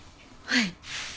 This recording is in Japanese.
はい。